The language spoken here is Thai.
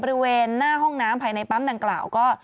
บริเวณหน้าห้องน้ำภายในปั๊มดังกล่าวก็